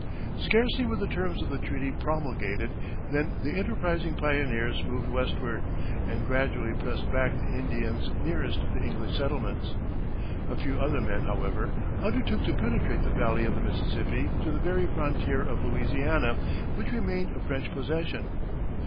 Scarcely were the terms of the treaty promulgated than the enterprising pioneers moved westward and gradually pressed back the Indians nearest the English settlements. A few other men, however, undertook to penetrate the valley of the Mississippi to the very frontier of Louisiana, which remained a French possession.